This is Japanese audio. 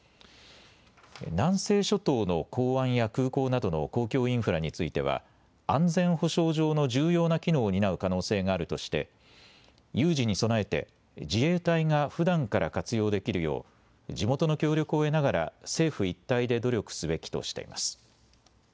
南西諸島の港湾や空港などの公共インフラについては安全保障上の重要な機能を担う可能性があるとして有事に備えて自衛隊がふだんから活用できるよう地元の協力を得ながら政府一体で努力すべきとしています。